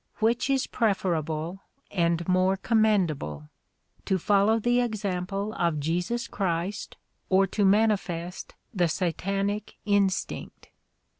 Which is preferable and more commendable? To fol low the example of Jesus Christ or to manifest the satanic instinct?